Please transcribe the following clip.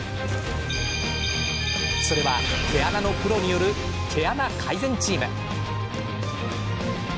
それは、毛穴のプロによる毛穴改善チーム。